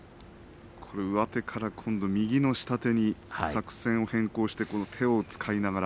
上手から右の下手に作戦を変更して手を使いながら。